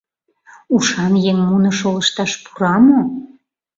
— Ушан еҥ муно шолышташ пура мо?